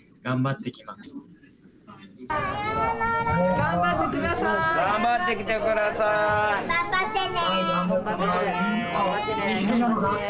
頑張ってね。